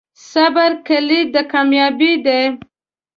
صبر کلید د کامیابۍ دی.